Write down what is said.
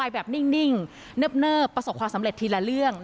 แบบนิ่งเนิบประสบความสำเร็จทีละเรื่อง